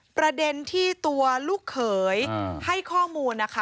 ประเด็นที่ตัวลูกเขยให้ข้อมูลนะคะ